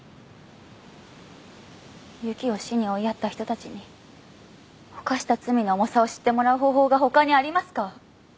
ＹＵＫＩを死に追いやった人たちに犯した罪の重さを知ってもらう方法が他にありますか？